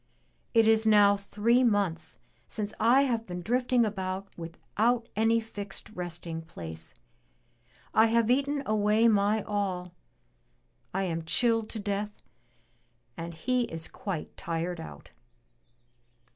It is now three months since I have been drifting about without any fixed resting place. I have eaten away my all. I am chilled to death and he is quite tired out.''